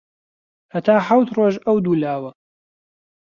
هەتا حەوت ڕۆژ ئەو دوو لاوە